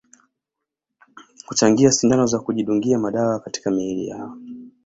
Kuchangia sindano za kujidungia madawa katika miili yao